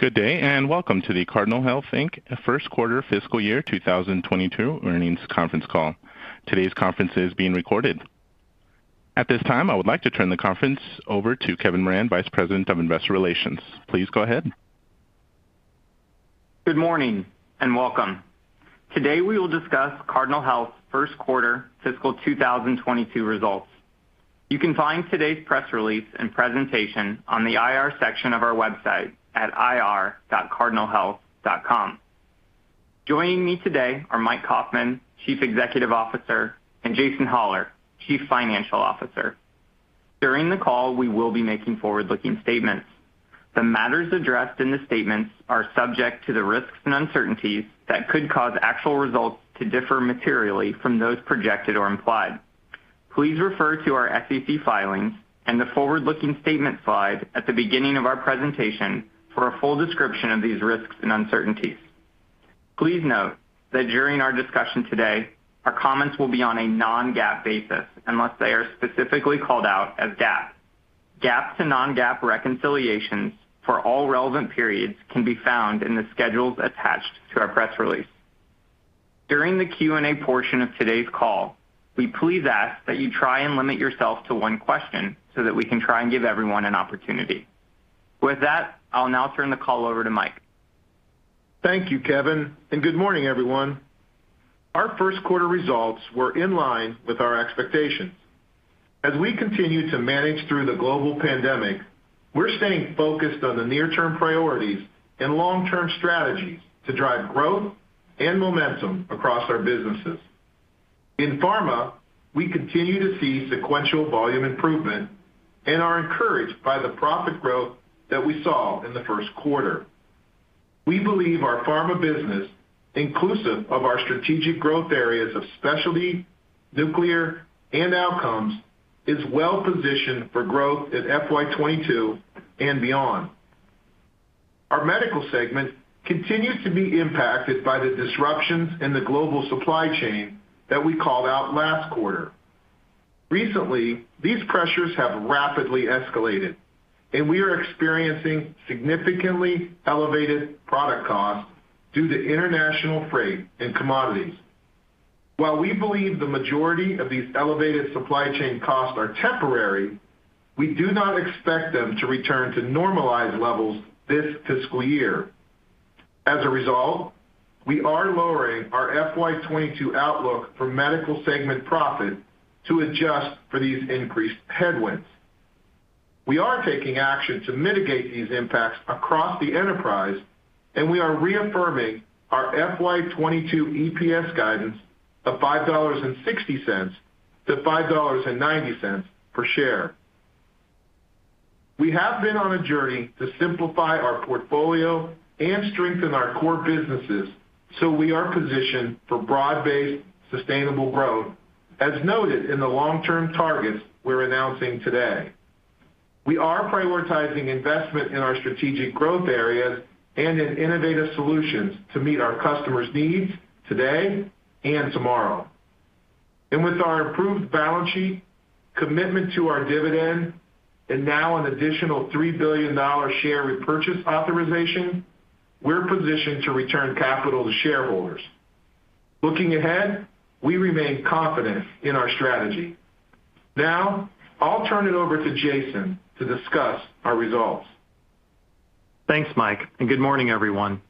Good day, and welcome to the Cardinal Health, Inc. first quarter fiscal year 2022 earnings conference call. Today's conference is being recorded. At this time, I would like to turn the conference over to Kevin Moran, Vice President of Investor Relations. Please go ahead. Good morning and welcome. Today we will discuss Cardinal Health first quarter fiscal 2022 results. You can find today's press release and presentation on the IR section of our website at ir.cardinalhealth.com. Joining me today are Mike Kaufmann, Chief Executive Officer, and Jason Hollar, Chief Financial Officer. During the call, we will be making forward-looking statements. The matters addressed in the statements are subject to the risks and uncertainties that could cause actual results to differ materially from those projected or implied. Please refer to our SEC filings and the forward-looking statement slide at the beginning of our presentation for a full description of these risks and uncertainties. Please note that during our discussion today, our comments will be on a non-GAAP basis unless they are specifically called out as GAAP. GAAP to non-GAAP reconciliations for all relevant periods can be found in the schedules attached to our press release. During the Q&A portion of today's call, we please ask that you try and limit yourself to one question so that we can try and give everyone an opportunity. With that, I'll now turn the call over to Mike. Thank you, Kevin, and good morning, everyone. Our first quarter results were in line with our expectations. As we continue to manage through the global pandemic, we're staying focused on the near-term priorities and long-term strategies to drive growth and momentum across our businesses. In Pharma, we continue to see sequential volume improvement and are encouraged by the profit growth that we saw in the first quarter. We believe our Pharma business, inclusive of our strategic growth areas of specialty, nuclear and Outcomes, is well positioned for growth in FY 2022 and beyond. Our Medical segment continues to be impacted by the disruptions in the global supply chain that we called out last quarter. Recently, these pressures have rapidly escalated, and we are experiencing significantly elevated product costs due tointernational freight and commodities. While we believe the majority of these elevated supply chain costs are temporary, we do not expect them to return to normalized levels this fiscal year. As a result, we are lowering our FY 2022 outlook for Medical segment profit to adjust for these increased headwinds. We are taking action to mitigate these impacts across the enterprise, and we are reaffirming our FY 2022 EPS guidance of $5.60-$5.90 per share. We have been on a journey to simplify our portfolio and strengthen our core businesses, so we are positioned for broad-based, sustainable growth, as noted in the long-term targets we're announcing today. We are prioritizing investment in our strategic growth areas and in innovative solutions to meet our customers' needs today and tomorrow. With our improved balance sheet, commitment to our dividend, and now an additional $3 billion share repurchase authorization, we're positioned to return capital to shareholders. Looking ahead, we remain confident in our strategy. Now, I'll turn it over to Jason to discuss our results. Thanks, Mike, and good morning, everyone.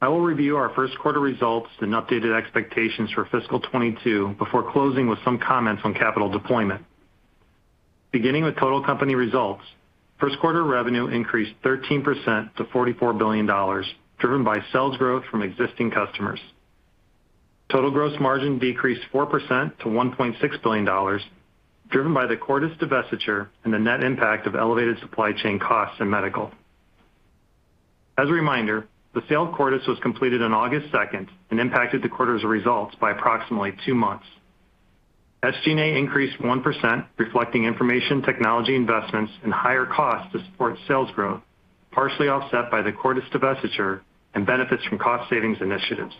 I will review our first quarter results and updated expectations for Fiscal 2022 before closing with some comments on capital deployment. Beginning with total company results, first quarter revenue increased 13% to $44 billion, driven by sales growth from existing customers. Total gross margin decreased 4% to $1.6 billion, driven by the Cordis divestiture and the net impact of elevated supply chain costs in Medical. As a reminder, the sale of Cordis was completed on August 2nd and impacted the quarter's results by approximately two months. SG&A increased 1%, reflecting information technology investments and higher costs to support sales growth, partially offset by the Cordis divestiture and benefits from cost savings initiatives.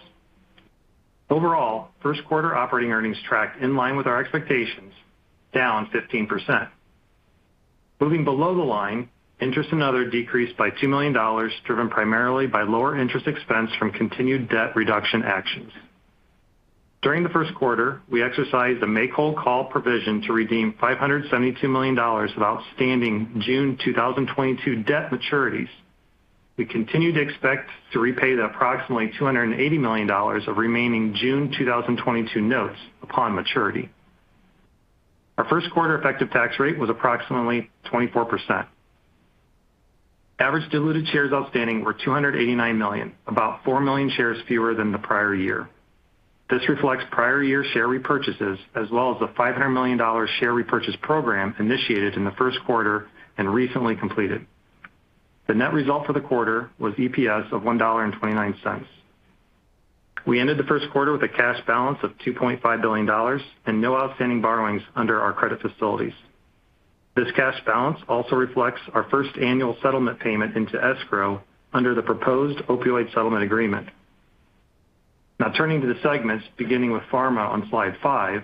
Overall, first quarter operating earnings tracked in line with our expectations, down 15%. Moving below the line, interest and other decreased by $2 million, driven primarily by lower interest expense from continued debt reduction actions. During the first quarter, we exercised a make-whole call provision to redeem $572 million of outstanding June 2022 debt maturities. We continue to expect to repay the approximately $280 million of remaining June 2022 notes upon maturity. Our first quarter effective tax rate was approximately 24%. Average diluted shares outstanding were 289 million, about 4 million shares fewer than the prior year. This reflects prior year share repurchases as well as the $500 million share repurchase program initiated in the first quarter and recently completed. The net result for the quarter was EPS of $1.29. We ended the first quarter with a cash balance of $2.5 billion and no outstanding borrowings under our credit facilities. This cash balance also reflects our first annual settlement payment into escrow under the proposed opioid settlement agreement. Now turning to the segments, beginning with Pharma on Slide 5.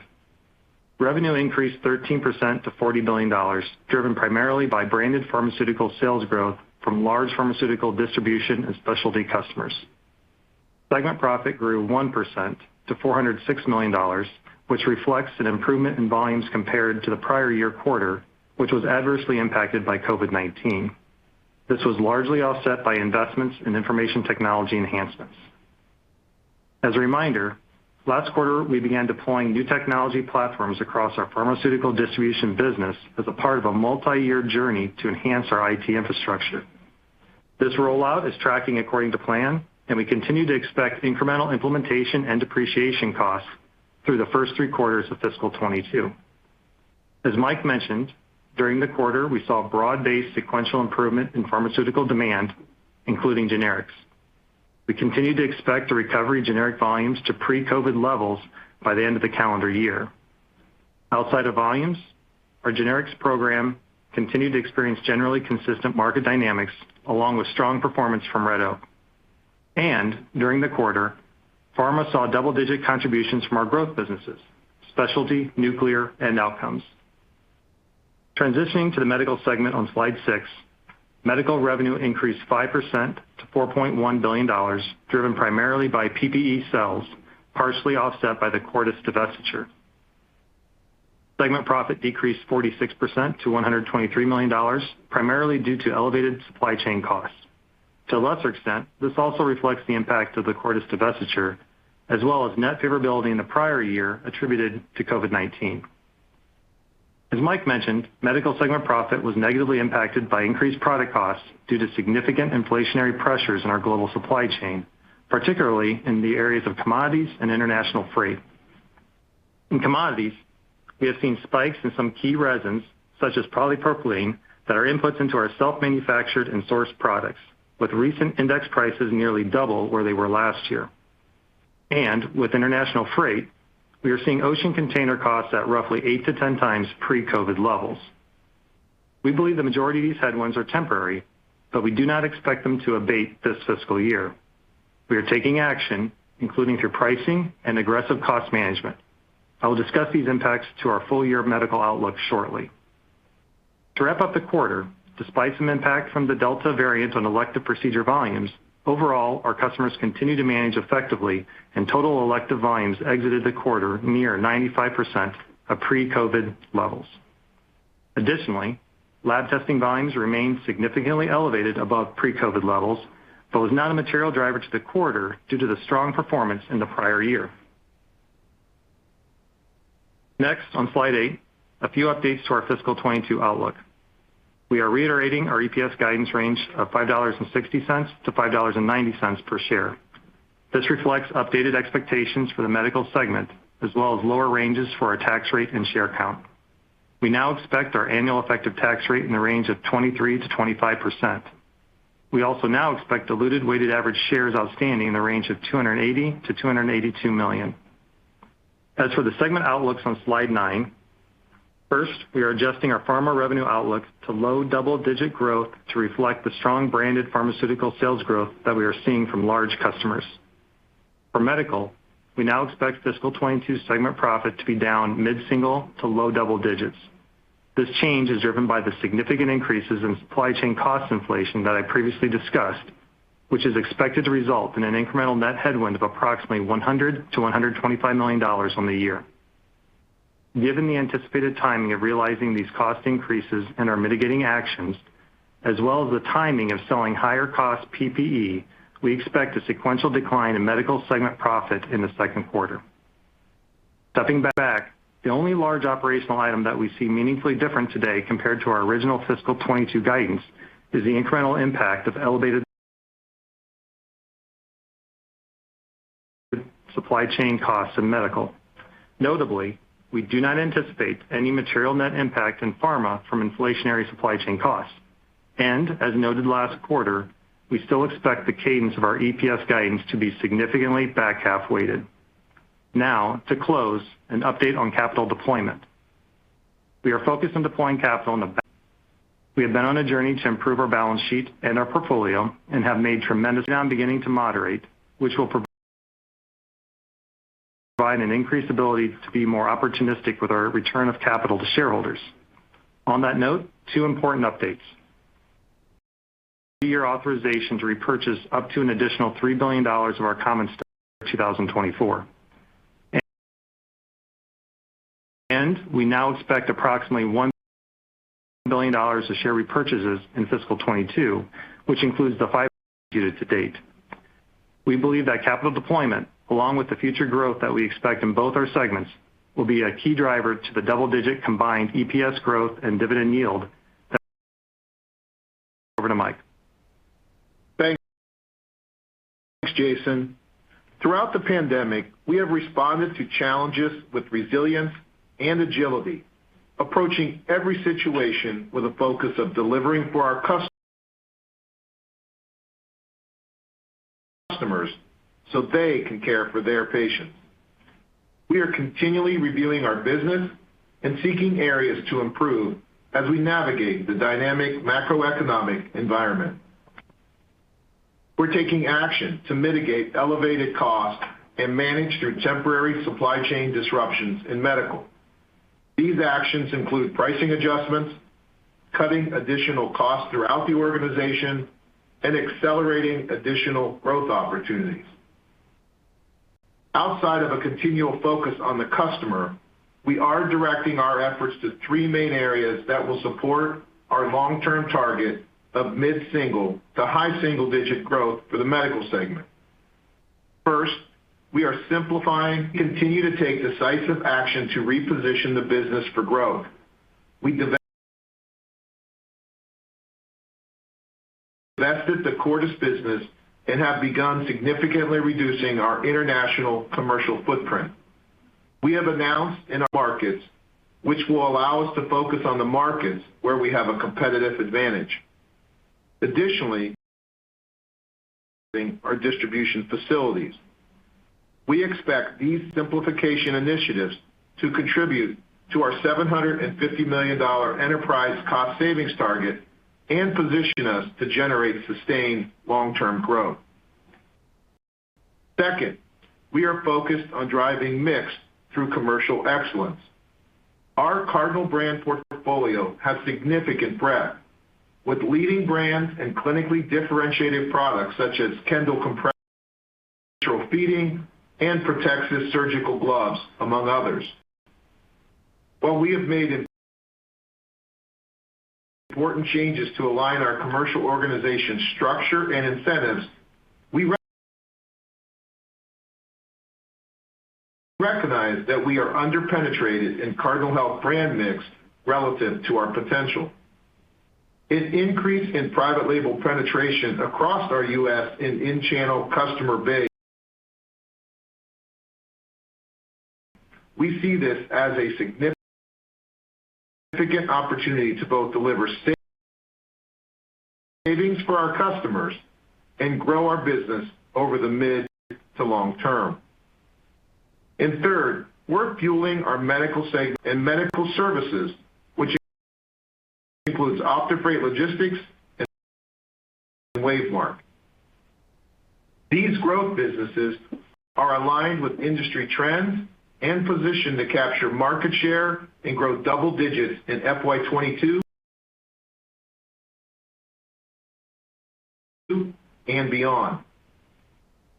Revenue increased 13% to $40 billion, driven primarily by branded pharmaceutical sales growth from large pharmaceutical distribution and specialty customers. Segment profit grew 1% to $406 million, which reflects an improvement in volumes compared to the prior year quarter, which was adversely impacted by COVID-19. This was largely offset by investments in information technology enhancements. As a reminder, last quarter, we began deploying new technology platforms across our pharmaceutical distribution business as a part of a multi-year journey to enhance our IT infrastructure. This rollout is tracking according to plan, and we continue to expect incremental implementation and depreciation costs through the first three quarters of fiscal 2022. As Mike mentioned, during the quarter, we saw broad-based sequential improvement in pharmaceutical demand, including generics. We continue to expect a recovery in generic volumes to pre-COVID levels by the end of the calendar year. Outside of volumes, our generics program continued to experience generally consistent market dynamics along with strong performance from Red Oak. During the quarter, pharma saw double-digit contributions from our growth businesses, specialty, nuclear, and outcomes. Transitioning to the Medical segment on Slide 6, Medical revenue increased 5% to $4.1 billion, driven primarily by PPE sales, partially offset by the Cordis divestiture. Segment profit decreased 46% to $123 million, primarily due to elevated supply chain costs. To a lesser extent, this also reflects the impact of the Cordis divestiture, as well as net favorability in the prior year attributed to COVID-19. As Mike mentioned, Medical segment profit was negatively impacted by increased product costs due to significant inflationary pressures in our global supply chain, particularly in the areas of commodities and international freight. In commodities, we have seen spikes in some key resins, such as polypropylene, that are inputs into our self-manufactured and sourced products, with recent index prices nearly double where they were last year. With international freight, we are seeing ocean container costs at roughly 8x-10x pre-COVID levels. We believe the majority of these headwinds are temporary, but we do not expect them to abate this fiscal year. We are taking action, including through pricing and aggressive cost management. I will discuss these impacts to our full-year medical outlook shortly. To wrap up the quarter, despite some impact from the Delta variant on elective procedure volumes, overall, our customers continue to manage effectively, and total elective volumes exited the quarter near 95% of pre-COVID levels. Additionally, lab testing volumes remain significantly elevated above pre-COVID levels, but was not a material driver to the quarter due to the strong performance in the prior year. Next, on Slide 8, a few updates to our Fiscal 2022 outlook. We are reiterating our EPS guidance range of $5.60-$5.90 per share. This reflects updated expectations for the Medical segment, as well as lower ranges for our tax rate and share count. We now expect our annual effective tax rate in the range of 23%-25%. We also now expect diluted weighted average shares outstanding in the range of 280-282 million. As for the segment outlooks on slide nine, first, we are adjusting our pharma revenue outlook to low double-digit growth to reflect the strong branded pharmaceutical sales growth that we are seeing from large customers. For Medical, we now expect fiscal 2022 segment profit to be down mid-single to low double-digits. This change is driven by the significant increases in supply chain cost inflation that I previously discussed, which is expected to result in an incremental net headwind of approximately $100-$125 million on the year. Given the anticipated timing of realizing these cost increases and our mitigating actions, as well as the timing of selling higher cost PPE, we expect a sequential decline in Medical segment profit in the second quarter. Stepping back, the only large operational item that we see meaningfully different today compared to our original Fiscal 2022 guidance is the incremental impact of elevated supply chain costs in Medical. Notably, we do not anticipate any material net impact in Pharma from inflationary supply chain costs. As noted last quarter, we still expect the cadence of our EPS guidance to be significantly back-half weighted. Now to close, an update on capital deployment. We are focused on deploying capital in the back. We have been on a journey to improve our balance sheet and our portfolio and have made tremendous. Now I'm beginning to moderate, which will provide an increased ability to be more opportunistic with our return of capital to shareholders. On that note, two important updates. A three-year authorization to repurchase up to an additional $3 billion of our common stock in 2024. We now expect approximately $1 billion of share repurchases in Fiscal 2022, which includes the $500 million executed to date. We believe that capital deployment, along with the future growth that we expect in both our segments, will be a key driver to the double-digit combined EPS growth and dividend yield. Over to Mike. Thanks, Jason. Throughout the pandemic, we have responded to challenges with resilience and agility, approaching every situation with a focus of delivering for our customers, so they can care for their patients. We are continually reviewing our business and seeking areas to improve as we navigate the dynamic macroeconomic environment. We're taking action to mitigate elevated costs and manage through temporary supply chain disruptions in Medical. These actions include pricing adjustments, cutting additional costs throughout the organization, and accelerating additional growth opportunities. Outside of a continual focus on the customer, we are directing our efforts to three main areas that will support our long-term target of mid-single- to high single-digit growth for the Medical segment. First, we are simplifying, continue to take decisive action to reposition the business for growth. We divested the Cordis business and have begun significantly reducing our international commercial footprint. We have announced in our markets, which will allow us to focus on the markets where we have a competitive advantage. Additionally, our distribution facilities. We expect these simplification initiatives to contribute to our $750 million enterprise cost savings target and position us to generate sustained long-term growth. Second, we are focused on driving mix through commercial excellence. Our Cardinal brand portfolio has significant breadth, with leading brands and clinically differentiated products such as Kendall compression, Kangaroo feeding, and Protexis surgical gloves, among others. While we have made important changes to align our commercial organization structure and incentives, we recognize that we are under-penetrated in Cardinal Health brand mix relative to our potential. An increase in private label penetration across our U.S. and in-channel customer base. We see this as a significant opportunity to both deliver savings for our customers and grow our business over the mid to long-term. Third, we're fueling our medical segment and medical services, which includes OptiFreight Logistics and WaveMark. These growth businesses are aligned with industry trends and positioned to capture market share and grow double digits in FY 2022 and beyond.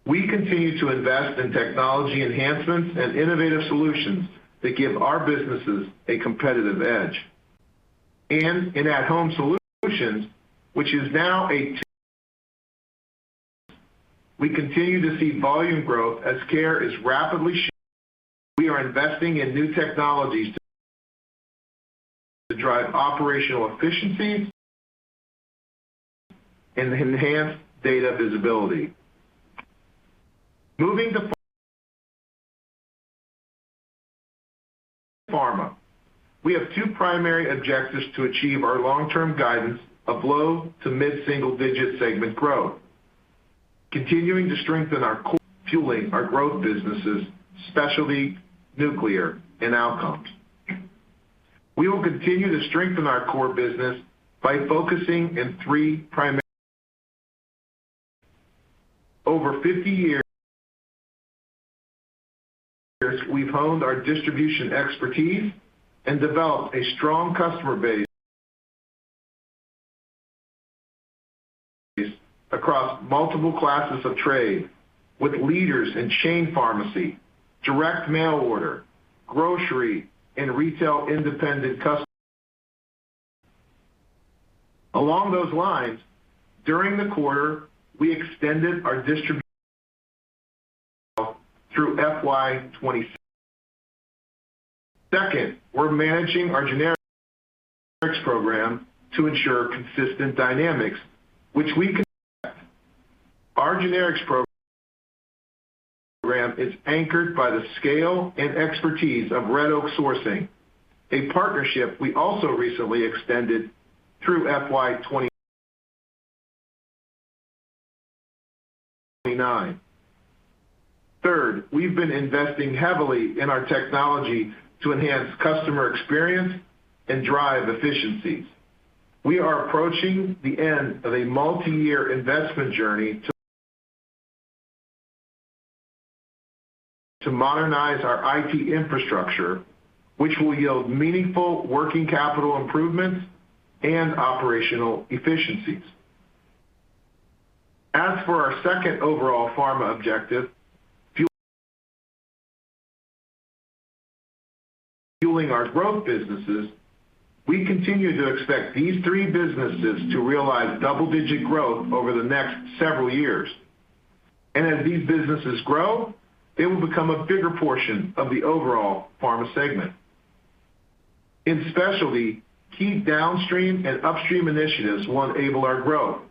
We continue to invest in technology enhancements and innovative solutions that give our businesses a competitive edge. In at-Home solutions, which is now a we continue to see volume growth as care is rapidly shifting. We are investing in new technologies to drive operational efficiency and enhance data visibility. Moving to pharma. We have two primary objectives to achieve our long-term guidance of low- to mid-single-digit segment growth, continuing to strengthen our core, fueling our growth businesses, specialty, nuclear, and Outcomes. We will continue to strengthen our core business by focusing on three primary. Over 50 years, we've honed our distribution expertise and developed a strong customer base across multiple classes of trade with leaders in chain pharmacy, direct mail order, grocery, and retail independent customers. Along those lines, during the quarter, we extended our distribution through FY 2026. Second, we're managing our generics program to ensure consistent dynamics, which we can. Our generics program is anchored by the scale and expertise of Red Oak Sourcing, a partnership we also recently extended through FY 2029. Third, we've been investing heavily in our technology to enhance customer experience and drive efficiencies. We are approaching the end of a multi-year investment journey to modernize our IT infrastructure, which will yield meaningful working capital improvements and operational efficiencies. As for our second overall Pharma objective, fueling our growth businesses, we continue to expect these three businesses to realize double-digit growth over the next several years. As these businesses grow, they will become a bigger portion of the overall Pharma segment. In specialty, key downstream and upstream initiatives will enable our growth.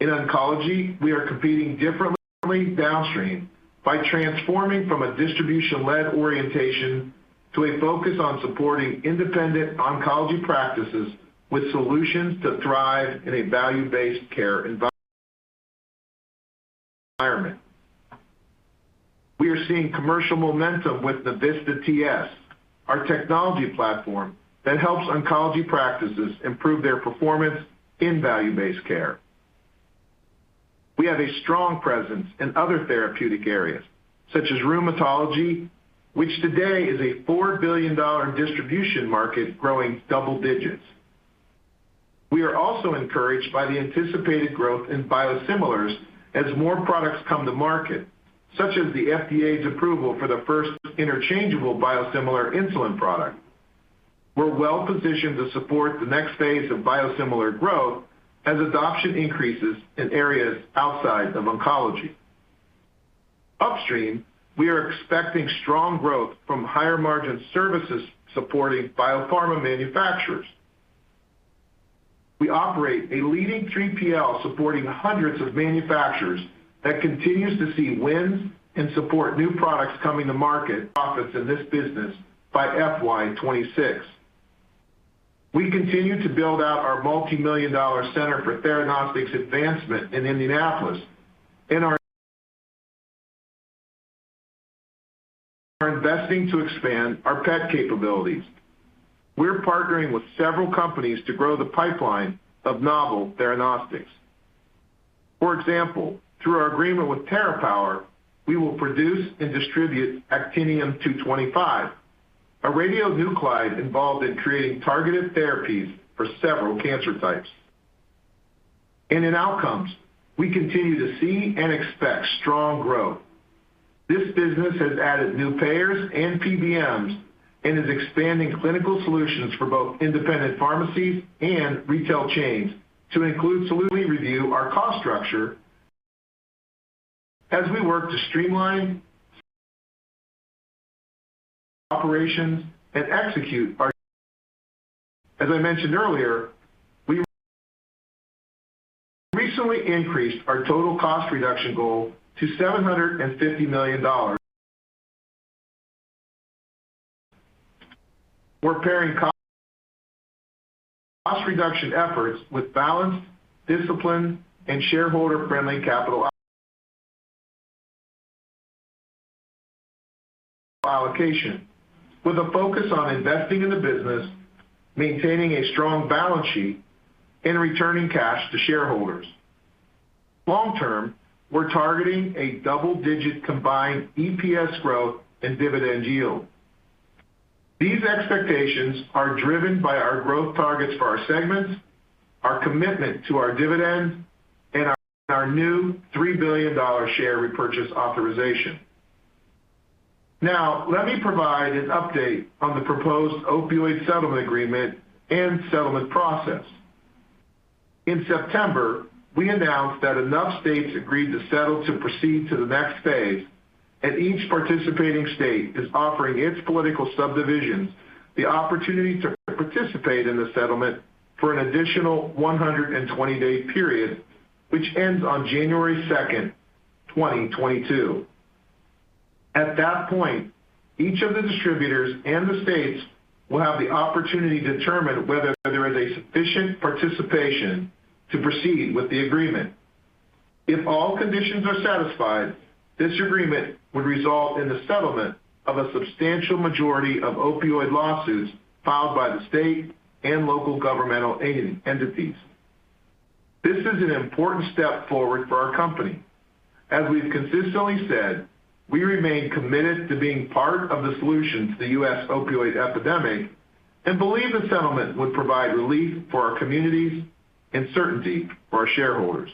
In Oncology, we are competing differently downstream by transforming from a distribution-led orientation to a focus on supporting independent oncology practices with solutions to thrive in a value-based care environment. We are seeing commercial momentum with the Navista TS, our technology platform that helps oncology practices improve their performance in value-based care. We have a strong presence in other therapeutic areas, such as rheumatology, which today is a $4 billion distribution market growing double-digits. We are also encouraged by the anticipated growth in biosimilars as more products come to market, such as the FDA's approval for the first interchangeable biosimilar insulin product. We're well positioned to support the next phase of biosimilar growth as adoption increases in areas outside of oncology. Upstream, we are expecting strong growth from higher margin services supporting biopharma manufacturers. We operate a leading 3PL supporting hundreds of manufacturers that continues to see wins and support new products coming to market. Profits in this business by FY 2026. We continue to build out our multimillion-dollar Center for Theranostics Advancement in Indianapolis. We're investing to expand our PET capabilities. We're partnering with several companies to grow the pipeline of novel theranostics. For example, through our agreement with TerraPower, we will produce and distribute Actinium-225, a radionuclide involved in creating targeted therapies for several cancer types. In Outcomes, we continue to see and expect strong growth. This business has added new payers and PBMs and is expanding clinical solutions for both independent pharmacies and retail chains to include salutary review, our cost structure as we work to streamline operations. As I mentioned earlier, we recently increased our total cost reduction goal to $750 million. We're pairing cost reduction efforts with balanced, disciplined, and shareholder-friendly capital allocation, with a focus on investing in the business, maintaining a strong balance sheet, and returning cash to shareholders. Long-term, we're targeting a double-digit combined EPS growth and dividend yield. These expectations are driven by our growth targets for our segments, our commitment to our dividends, and our new $3 billion share repurchase authorization. Now, let me provide an update on the proposed opioid settlement agreement and settlement process. In September, we announced that enough states agreed to settle to proceed to the next phase, and each participating state is offering its political subdivisions the opportunity to participate in the settlement for an additional 120-day period, which ends on January 2nd, 2022. At that point, each of the distributors and the states will have the opportunity to determine whether there is a sufficient participation to proceed with the agreement. If all conditions are satisfied, this agreement would result in the settlement of a substantial majority of opioid lawsuits filed by the state and local governmental entities. This is an important step forward for our company. As we've consistently said, we remain committed to being part of the solution to the U.S. opioid epidemic and believe the settlement would provide relief for our communities and certainty for our shareholders.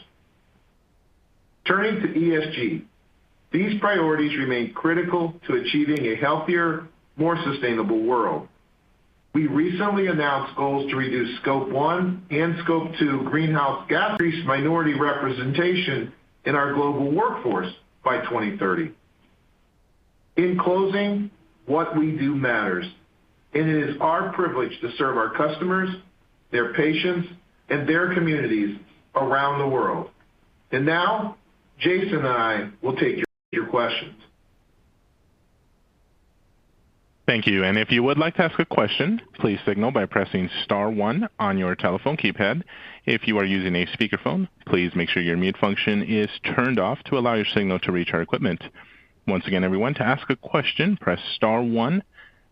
Turning to ESG, these priorities remain critical to achieving a healthier, more sustainable world. We recently announced goals to reduce Scope 1 and Scope 2 greenhouse gas, increase minority representation in our global workforce by 2030. In closing, what we do matters, and it is our privilege to serve our customers, their patients, and their communities around the world. Now, Jason and I will take your questions. Thank you. If you would like to ask a question, please signal by pressing Star one on your telephone keypad. If you are using a speakerphone, please make sure your mute function is turned off to allow your signal to reach our equipment. Once again, everyone, to ask a question, press Star one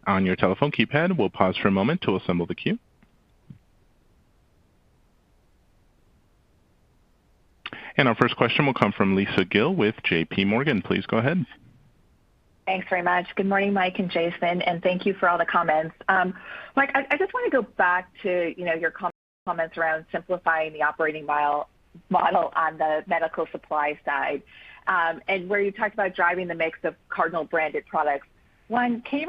on your telephone keypad. We'll pause for a moment to assemble the queue. Our first question will come from Lisa Gill with JPMorgan. Please go ahead. Thanks very much. Good morning, Mike and Jason, and thank you for all the comments. Mike, I just want to go back to, you know, your comments around simplifying the operating model on the Medical supply side, and where you talked about driving the mix of Cardinal-branded products. One, can you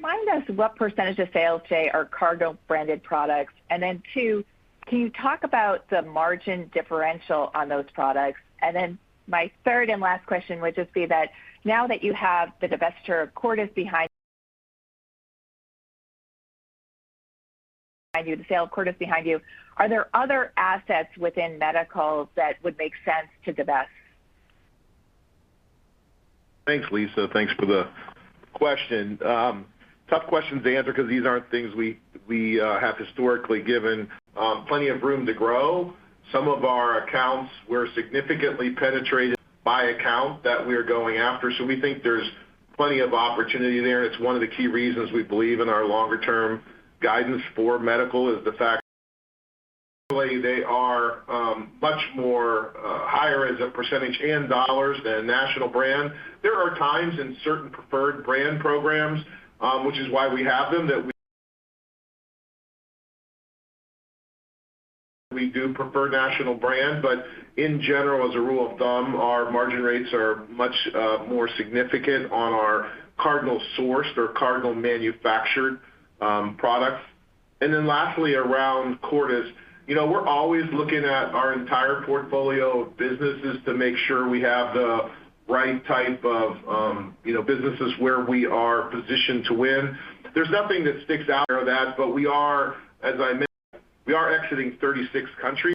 remind us what percentage of sales today are Cardinal-branded products? And then two, can you talk about the margin differential on those products? And then my third and last question would just be that now that you have the divestiture of Cordis behind you, the sale of Cordis behind you, are there other assets within Medical that would make sense to divest? Thanks, Lisa. Thanks for the question. Tough question to answer because these aren't things we have historically given plenty of room to grow. Some of our accounts were significantly penetrated by account that we are going after. We think there's plenty of opportunity there, and it's one of the key reasons we believe in our longer-term guidance for Medical is the fact they are much more higher as a percentage in dollars than national brand. There are times in certain preferred brand programs, which is why we have them, that we do prefer national brand. In general, as a rule of thumb, our margin rates are much more significant on our Cardinal sourced or Cardinal manufactured products. Then lastly, around Cordis. You know, we're always looking at our entire portfolio of businesses to make sure we have the right type of, you know, businesses where we are positioned to win. There's nothing that sticks out of that. We are, as I mentioned, exiting 36 countries.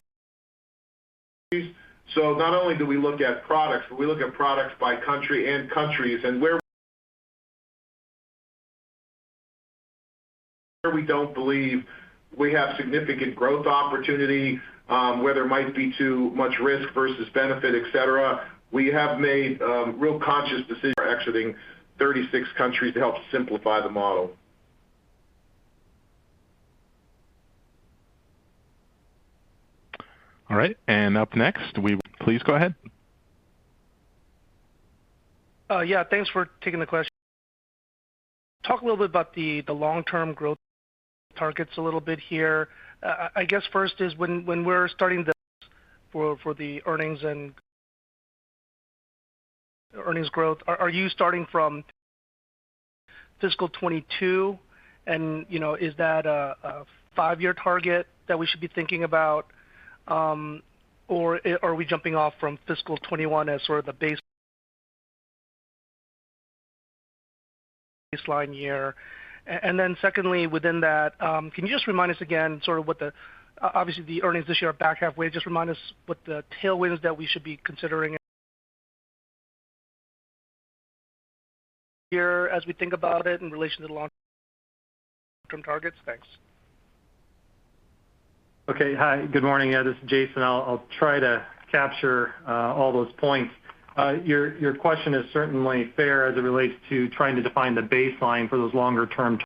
Not only do we look at products, but we look at products by country and countries and where we don't believe we have significant growth opportunity, where there might be too much risk versus benefit, et cetera. We have made real conscious decisions exiting 36 countries to help simplify the model. All right. Please go ahead. Yeah, thanks for taking the question. Talk a little bit about the long-term growth targets a little bit here. I guess first is when we're starting from fiscal 2022 for the earnings and earnings growth, are you starting from Fiscal 2022? You know, is that a five-year target that we should be thinking about? Or are we jumping off from Fiscal 2021 as sort of the baseline year? Then secondly, within that, can you just remind us again. Obviously, the earnings this year are back-half weighted. Just remind us what the tailwinds that we should be considering here as we think about it in relation to the long-term targets. Thanks. Okay. Hi, good morning. Yeah, this is Jason. I'll try to capture all those points. Your question is certainly fair as it relates to trying to define the baseline for those longer-term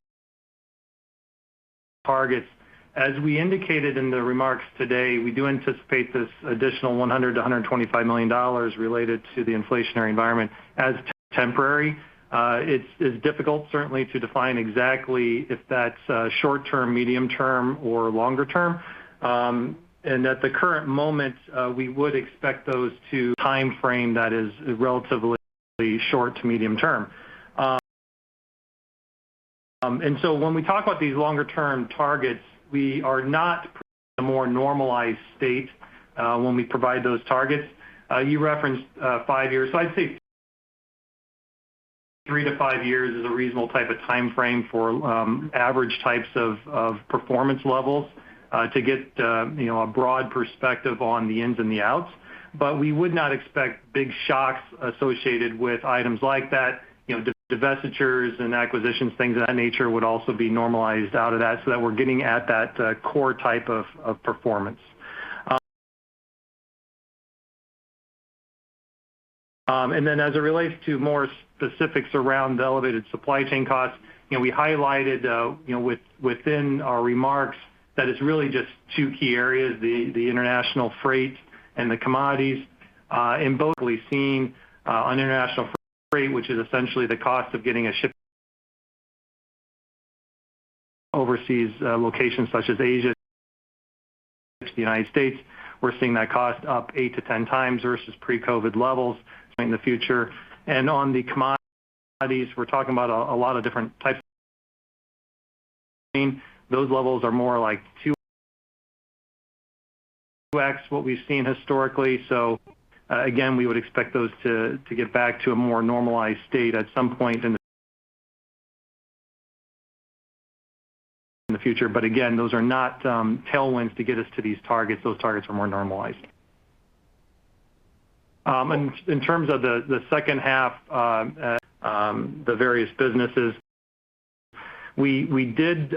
targets. As we indicated in the remarks today, we do anticipate this additional $100 million-$125 million related to the inflationary environment as temporary. It's difficult certainly to define exactly if that's short-term, medium-term, or longer term. At the current moment, we would expect that timeframe that is relatively short- to medium-term. When we talk about these longer-term targets, we are in a more normalized state when we provide those targets. You referenced five years. I'd say three to five years is a reasonable type of time frame for average types of performance levels to get you know a broad perspective on the ins and the outs. But we would not expect big shocks associated with items like that. You know, divestitures and acquisitions, things of that nature would also be normalized out of that so that we're getting at that core type of performance. Then as it relates to more specifics around the elevated supply chain costs, you know, we highlighted you know within our remarks that it's really just two key areas, the international freight and the commodities. Both we've seen on international freight, which is essentially the cost of getting a ship overseas locations such as Asia to the United States. We're seeing that cost up 8x-10x versus pre-COVID levels in the future. On the commodities, we're talking about a lot of different types those levels are more like 2x what we've seen historically. Again, we would expect those to get back to a more normalized state at some point in the future. Again, those are not tailwinds to get us to these targets. Those targets are more normalized. In terms of the second half, the various businesses, we did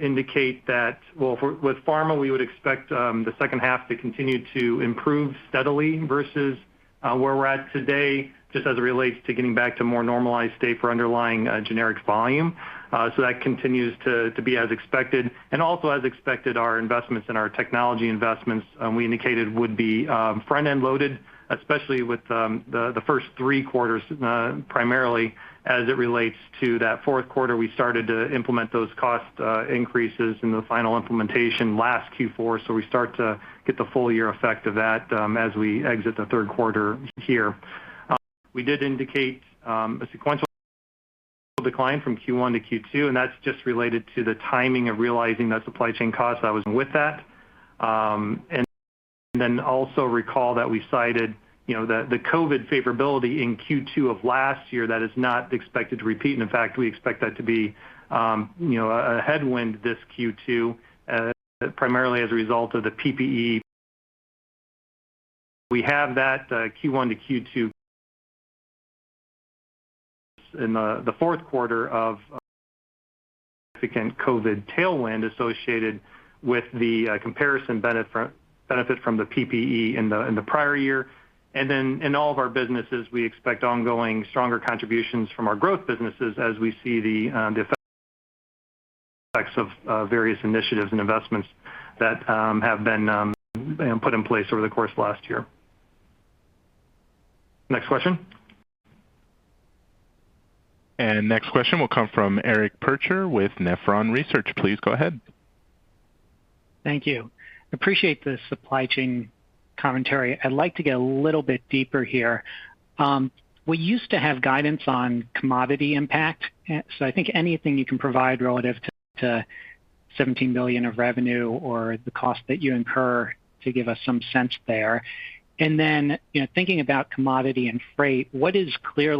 indicate that. With Pharma, we would expect the second half to continue to improve steadily versus where we're at today, just as it relates to getting back to a more normalized state for underlying generics volume. That continues to be as expected. As expected, our investments in our technology, we indicated would be front-end loaded, especially with the first three quarters, primarily as it relates to that fourth quarter. We started to implement those cost increases in the final implementation last Q4, so we start to get the full-year effect of that, as we exit the third quarter here. We did indicate a sequential decline from Q1-Q2, and that's just related to the timing of realizing that supply chain cost that was with that. Recall that we cited, you know, the COVID favorability in Q2 of last year that is not expected to repeat. In fact, we expect that to be, you know, a headwind this Q2, primarily as a result of the PPE. We had that Q1-Q2 in the fourth quarter with significant COVID tailwind associated with the comparison benefit from the PPE in the prior year. In all of our businesses, we expect ongoing stronger contributions from our growth businesses as we see the effects of various initiatives and investments that have been put in place over the course of last year. Next question. Next question will come from Eric Percher with Nephron Research. Please go ahead. Thank you. Appreciate the supply chain commentary. I'd like to get a little bit deeper here. We used to have guidance on commodity impact. I think anything you can provide relative to $17 million of revenue or the cost that you incur to give us some sense there. You know, thinking about commodity and freight, what is clearly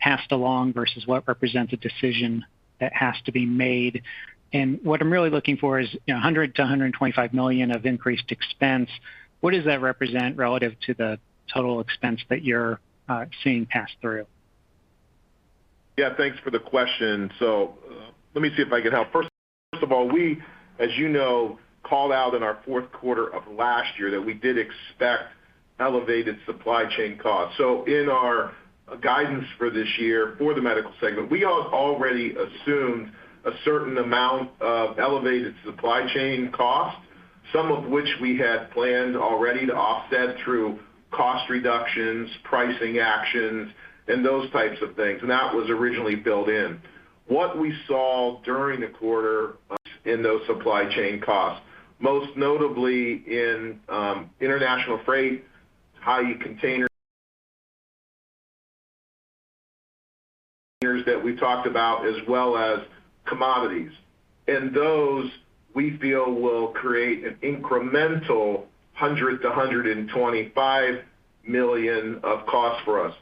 passed along versus what represents a decision that has to be made? What I'm really looking for is, you know, $100 million-$125 million of increased expense. What does that represent relative to the total expense that you're seeing pass through? Yeah, thanks for the question. Let me see if I can help. First of all, we, as you know, called out in our fourth quarter of last year that we did expect elevated supply chain costs. In our guidance for this year for the Medical segment, we already assumed a certain amount of elevated supply chain costs, some of which we had planned already to offset through cost reductions, pricing actions, and those types of things. That was originally built in. What we saw during the quarter in those supply chain costs, most notably in international freight, high container that we talked about as well as commodities. Those we feel will create an incremental $100 million-$125 million of costs for us.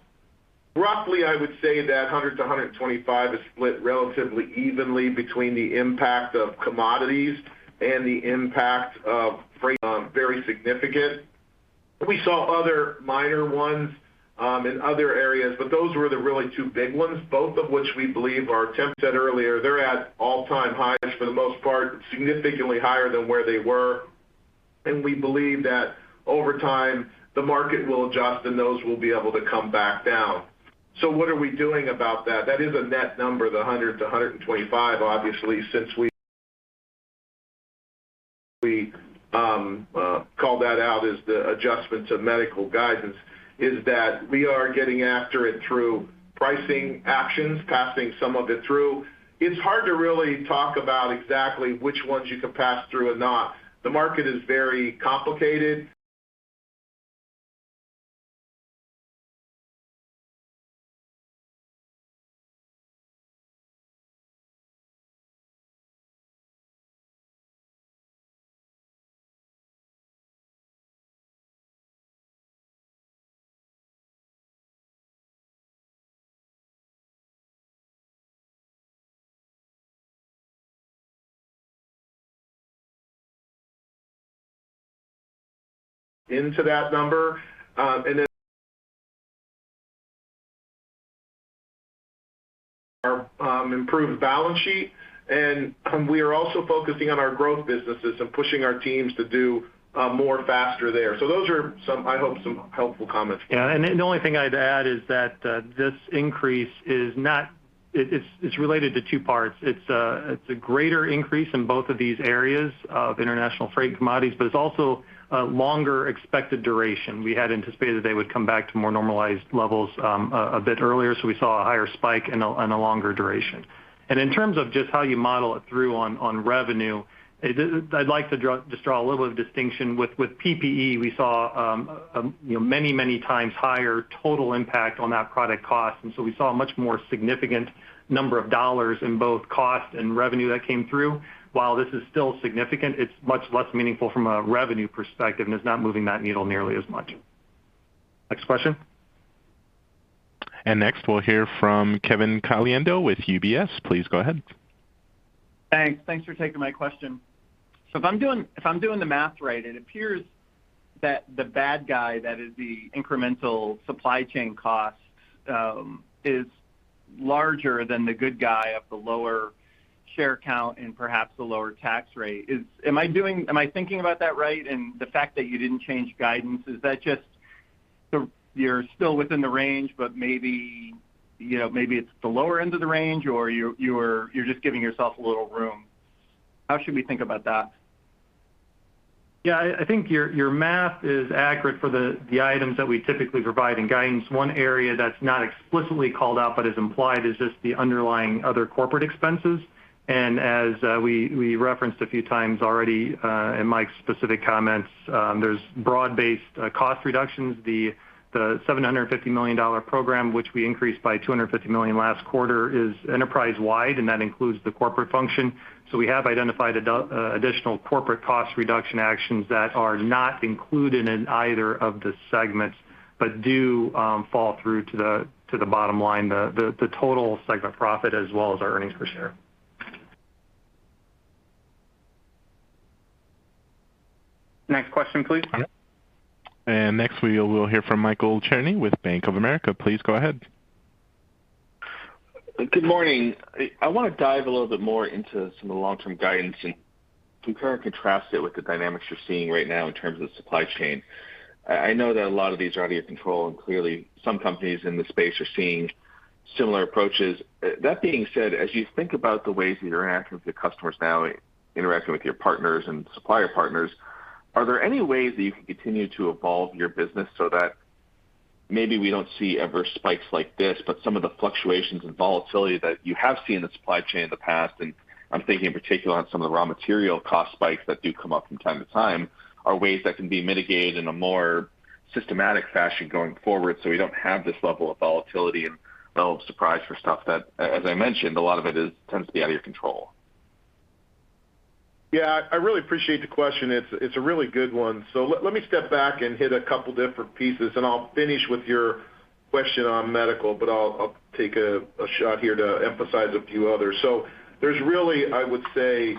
Roughly, I would say that $100 million-$125 million is split relatively evenly between the impact of commodities and the impact of freight, very significant. We saw other minor ones in other areas, but those were the really two big ones, both of which we believe are. Tim said earlier, they're at all-time highs for the most part, significantly higher than where they were. We believe that over time, the market will adjust and those will be able to come back down. What are we doing about that? That is a net number, the $100 million-$125 million, obviously, since we called that out as the adjustments of Medical guidance, is that we are getting after it through pricing actions, passing some of it through. It's hard to really talk about exactly which ones you can pass through or not. The market is very complicated into that number. Our improved balance sheet, and we are also focusing on our growth businesses and pushing our teams to do more faster there. Those are some, I hope, some helpful comments. Yeah. The only thing I'd add is that this increase is related to two parts. It's a greater increase in both of these areas of international freight commodities, but it's also a longer expected duration. We had anticipated they would come back to more normalized levels a bit earlier, so we saw a higher spike and a longer duration. In terms of just how you model it through on revenue, I'd like to just draw a little bit of distinction with PPE. We saw, you know, many times higher total impact on that product cost. We saw a much more significant number of dollars in both cost and revenue that came through. While this is still significant, it's much less meaningful from a revenue perspective, and it's not moving that needle nearly as much. Next question. Next, we'll hear from Kevin Caliendo with UBS. Please go ahead. Thanks. Thanks for taking my question. So if I'm doing the math right, it appears that the bad guy, that is the incremental supply chain costs, is larger than the good guy of the lower share count and perhaps the lower tax rate. Am I thinking about that right? The fact that you didn't change guidance, is that just you're still within the range, but maybe, you know, maybe it's the lower end of the range, or you're just giving yourself a little room? How should we think about that? Yeah. I think your math is accurate for the items that we typically provide in guidance. One area that's not explicitly called out but is implied is just the underlying other corporate expenses. As we referenced a few times already in Mike's specific comments, there's broad-based cost reductions. The $750 million program, which we increased by $250 million last quarter, is enterprise-wide, and that includes the corporate function. We have identified additional corporate cost reduction actions that are not included in either of the segments, but do fall through to the bottom line, the total segment profit as well as our earnings per share. Next question please. Next we will hear from Michael Cherny with Bank of America. Please go ahead. Good morning. I wanna dive a little bit more into some of the long-term guidance and compare and contrast it with the dynamics you're seeing right now in terms of supply chain. I know that a lot of these are out of your control, and clearly some companies in this space are seeing similar approaches. That being said, as you think about the ways that you're interacting with your customers now, interacting with your partners and supplier partners, are there any ways that you can continue to evolve your business so that maybe we don't see adverse spikes like this, but some of the fluctuations and volatility that you have seen in the supply chain in the past, and I'm thinking in particular on some of the raw material cost spikes that do come up from time to time, are ways that can be mitigated in a more systematic fashion going forward so we don't have this level of volatility and level of surprise for stuff that, as I mentioned, a lot of it tends to be out of your control? Yeah. I really appreciate the question. It's a really good one. Let me step back and hit a couple different pieces, and I'll finish with your question on Medical, but I'll take a shot here to emphasize a few others. There's really, I would say,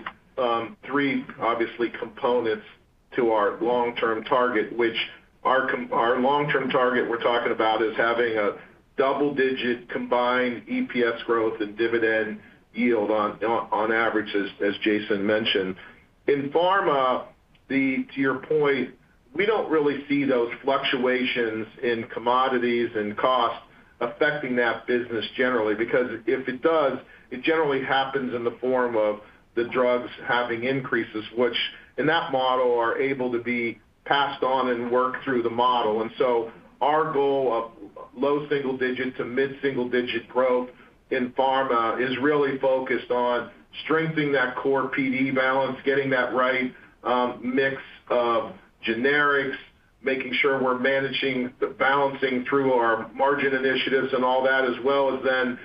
three obvious components to our long-term target, which our long-term target we're talking about is having a double-digit combined EPS growth and dividend yield on average, as Jason mentioned. In Pharma, to your point, we don't really see those fluctuations in commodities and costs affecting that business generally, because if it does, it generally happens in the form of the drugs having increases, which in that model are able to be passed on and work through the model. Our goal of low single-digit to mid single-digit growth in pharma is really focused on strengthening that core PD balance, getting that right, mix of generics, making sure we're managing the balancing through our margin initiatives and all that, as well as then,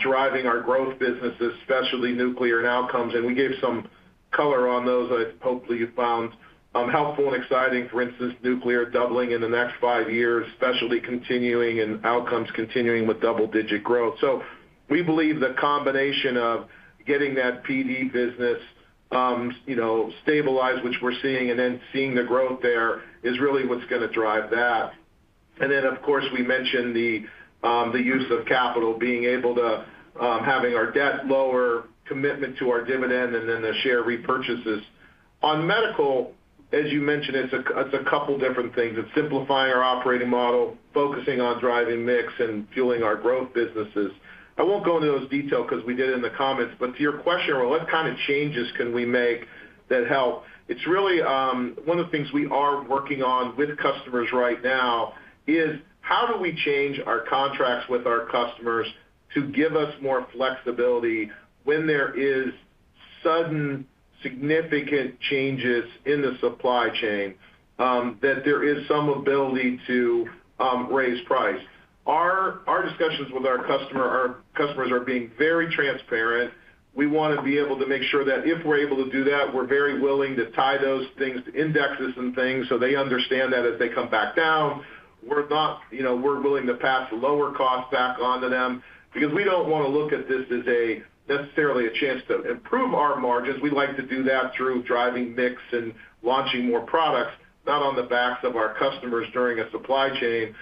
driving our growth businesses, especially Nuclear and Outcomes. We gave some color on those that hopefully you found, helpful and exciting. For instance, Nuclear doubling in the next five years, specialty continuing, and Outcomes continuing with double-digit growth. We believe the combination of getting that PD business, you know, stabilized, which we're seeing, and then seeing the growth there is really what's gonna drive that. Of course we mentioned the use of capital, being able to, having our debt lower, commitment to our dividend, and then the share repurchases. On Medical, as you mentioned, it's a couple different things. It's simplifying our operating model, focusing on driving mix, and fueling our growth businesses. I won't go into those detail 'cause we did it in the comments, but to your question, well, what kind of changes can we make that help? It's really one of the things we are working on with customers right now is how do we change our contracts with our customers to give us more flexibility when there is sudden significant changes in the supply chain, that there is some ability to raise price. Our discussions with our customers are being very transparent. We wanna be able to make sure that if we're able to do that, we're very willing to tie those things to indexes and things so they understand that as they come back down, we're not, you know, we're willing to pass lower costs back onto them because we don't wanna look at this as necessarily a chance to improve our margins. We like to do that through driving mix and launching more products, not on the backs of our customers during a supply chain.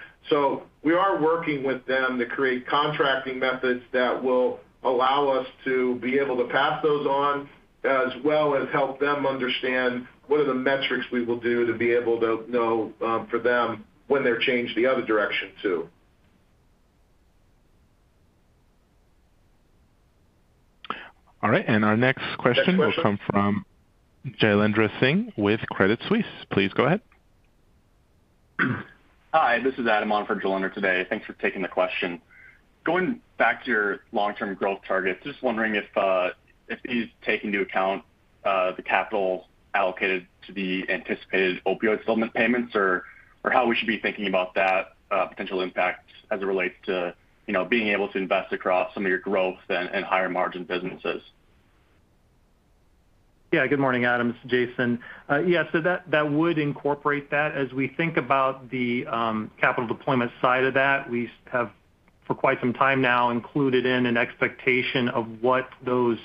We are working with them to create contracting methods that will allow us to be able to pass those on, as well as help them understand what are the metrics we will do to be able to know for them when they're changed the other direction too. All right. Our next question will come from Jailendra Singh with Credit Suisse. Please go ahead. Hi, this is Adam on for Jailendra today. Thanks for taking the question. Going back to your long-term growth targets, just wondering if these take into account the capital allocated to the anticipated opioid settlement payments or how we should be thinking about that potential impact as it relates to, you know, being able to invest across some of your growth and higher margin businesses. Yeah. Good morning, Adam. It's Jason. Yeah, so that would incorporate that. As we think about the capital deployment side of that, we have for quite some time now included in an expectation of what those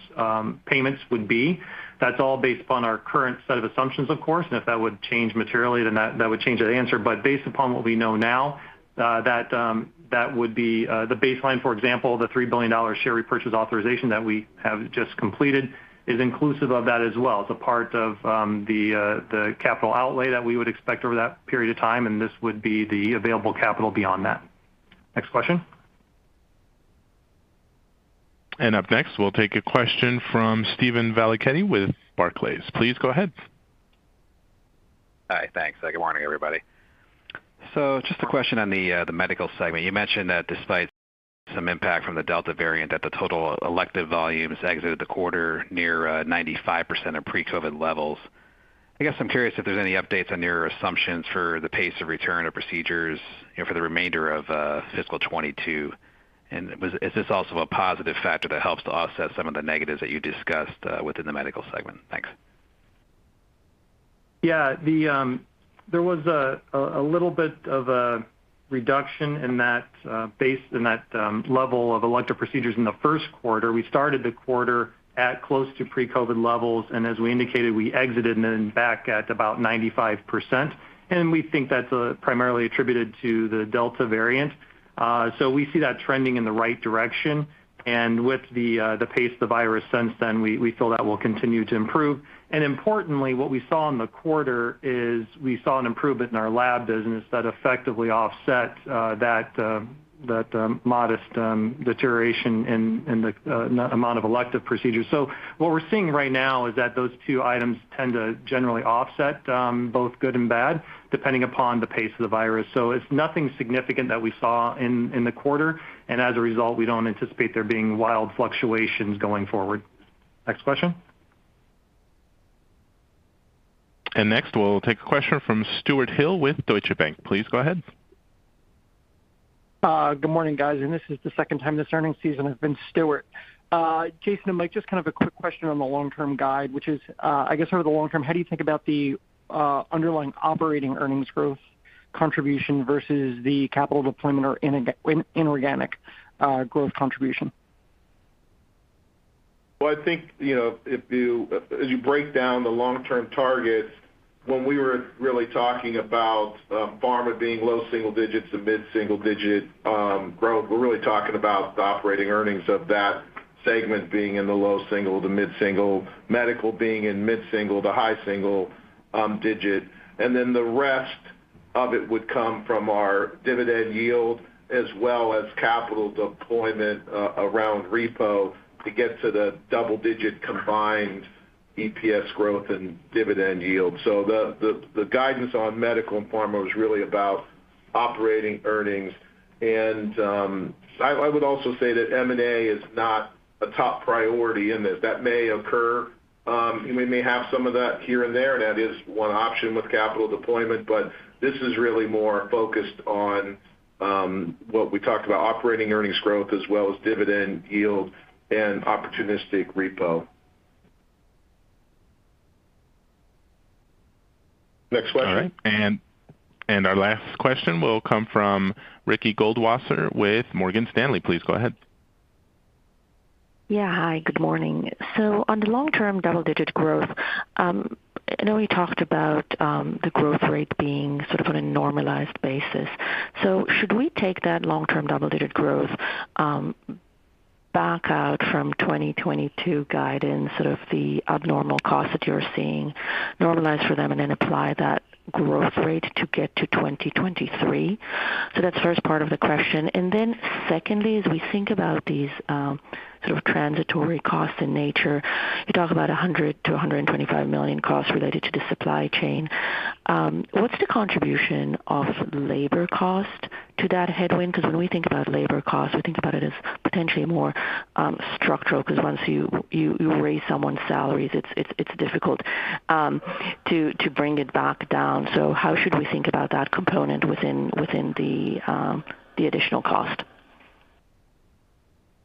payments would be. That's all based upon our current set of assumptions, of course. If that would change materially, then that would change the answer. Based upon what we know now, that would be the baseline, for example, the $3 billion share repurchase authorization that we have just completed is inclusive of that as well. It's a part of the capital outlay that we would expect over that period of time, and this would be the available capital beyond that. Next question. Up next, we'll take a question from Steven Valiquette with Barclays. Please go ahead. Hi. Thanks. Good morning, everybody. Just a question on the Medical segment. You mentioned that despite some impact from the Delta variant, that the total elective volumes exited the quarter near 95% of pre-COVID levels. I guess I'm curious if there's any updates on your assumptions for the pace of return of procedures, you know, for the remainder of Fiscal 2022. Is this also a positive factor that helps to offset some of the negatives that you discussed within the Medical segment? Thanks. Yeah. There was a little bit of a reduction in that base in that level of elective procedures in the first quarter. We started the quarter at close to pre-COVID levels, and as we indicated, we exited and then back at about 95%, and we think that's primarily attributed to the Delta variant. We see that trending in the right direction. With the pace of the virus since then, we feel that will continue to improve. Importantly, what we saw in the quarter is we saw an improvement in our lab business that effectively offset that modest deterioration in the amount of elective procedures. What we're seeing right now is that those two items tend to generally offset, both good and bad, depending upon the pace of the virus. It's nothing significant that we saw in the quarter. As a result, we don't anticipate there being wild fluctuations going forward. Next question. Next, we'll take a question from George Hill with Deutsche Bank. Please go ahead. Good morning, guys. This is the second time this earnings season I've been Stuart. Jason and Mike, just kind of a quick question on the long-term guide, which is, I guess over the long term, how do you think about the underlying operating earnings growth contribution versus the capital deployment or inorganic growth contribution? Well, I think, you know, as you break down the long-term targets, when we were really talking about, pharma being low-single-digits to mid-single digit growth, we're really talking about the operating earnings of that segment being in the low single to mid-single, Medical being in mid-single to high single, digit. Then the rest of it would come from our dividend yield as well as capital deployment around repurchase to get to the double-digit combined EPS growth and dividend yield. The guidance on Medical and Pharma was really about operating earnings. I would also say that M&A is not a top priority in this. That may occur, and we may have some of that here and there, and that is one option with capital deployment. This is really more focused on what we talked about, operating earnings growth as well as dividend yield and opportunistic repo. Next question. All right. Our last question will come from Ricky Goldwasser with Morgan Stanley. Please go ahead. Yeah. Hi, good morning. On the long-term double-digit growth, I know you talked about the growth rate being sort of on a normalized basis. Should we take that long-term double-digit growth back out from 2022 guidance sort of the abnormal costs that you're seeing, normalize for them, and then apply that growth rate to get to 2023? That's first part of the question. Then secondly, as we think about these sort of transitory costs in nature, you talk about $100 million-$125 million costs related to the supply chain. What's the contribution of labor cost to that headwind? Because when we think about labor costs, we think about it as potentially more structural, because once you raise someone's salaries, it's difficult to bring it back down. How should we think about that component within the additional cost?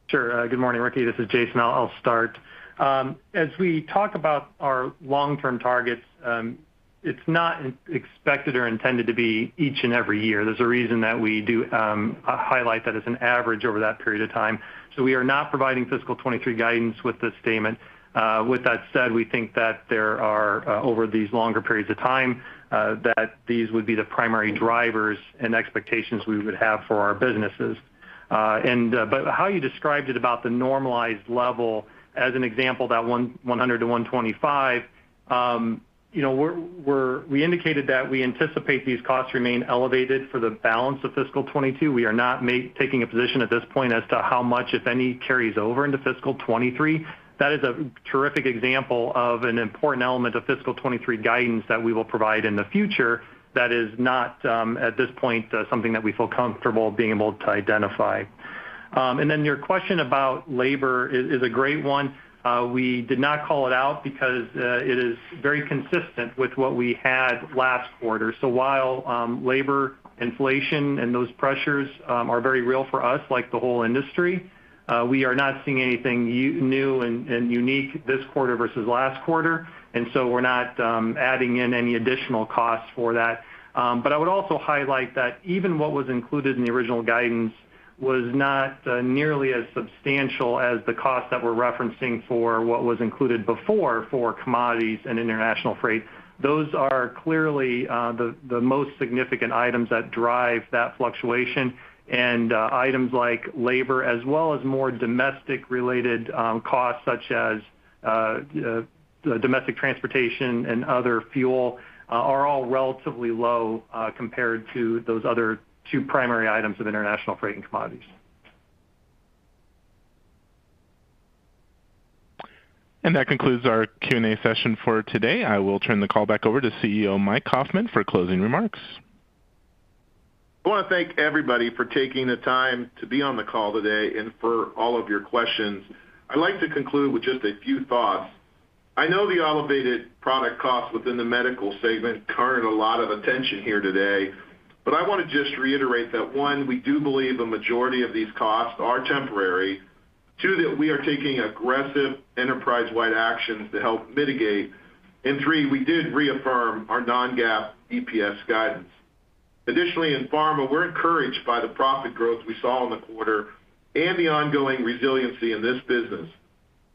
Sure. Good morning, Ricky. This is Jason. I'll start. As we talk about our long-term targets, it's not expected or intended to be each and every year. There's a reason that we do highlight that as an average over that period of time. We are not providing Fiscal 2023 guidance with this statement. With that said, we think that there are over these longer periods of time that these would be the primary drivers and expectations we would have for our businesses. How you described it about the normalized level as an example, that $100 million-$125 million, you know, we indicated that we anticipate these costs remain elevated for the balance of Fiscal 2022. We are not taking a position at this point as to how much, if any, carries over into Fiscal 2023. That is a terrific example of an important element of Fiscal 2023 guidance that we will provide in the future that is not, at this point, something that we feel comfortable being able to identify. Then your question about labor is a great one. We did not call it out because it is very consistent with what we had last quarter. While labor inflation and those pressures are very real for us, like the whole industry, we are not seeing anything new and unique this quarter versus last quarter, and so we're not adding in any additional costs for that. I would also highlight that even what was included in the original guidance was not nearly as substantial as the costs that we're referencing for what was included before for commodities and international freight. Those are clearly the most significant items that drive that fluctuation. Items like labor as well as more domestic related costs such as domestic transportation and other fuel are all relatively low compared to those other two primary items of international freight and commodities. That concludes our Q&A session for today. I will turn the call back over to CEO Mike Kaufmann for closing remarks. I wanna thank everybody for taking the time to be on the call today and for all of your questions. I'd like to conclude with just a few thoughts. I know the elevated product costs within the Medical segment garnered a lot of attention here today, but I wanna just reiterate that, one, we do believe the majority of these costs are temporary. Two, that we are taking aggressive enterprise-wide actions to help mitigate. And three, we did reaffirm our non-GAAP EPS guidance. Additionally, in pharma, we're encouraged by the profit growth we saw in the quarter and the ongoing resiliency in this business.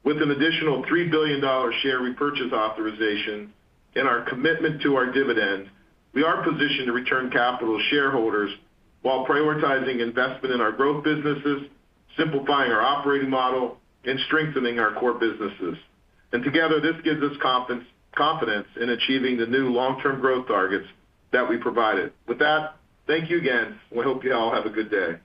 With an additional $3 billion share repurchase authorization and our commitment to our dividend, we are positioned to return capital to shareholders while prioritizing investment in our growth businesses, simplifying our operating model, and strengthening our core businesses. Together, this gives us confidence in achieving the new long-term growth targets that we provided. With that, thank you again. We hope you all have a good day.